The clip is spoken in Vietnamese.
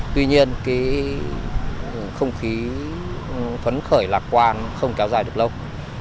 tuy nhiên không khí phấn khởi lạc quan không kéo dài được lâu